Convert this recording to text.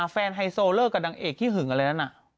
แฟนไฮโซเลอร์กับดังเอกขี้หึงอะไรนั่นอะ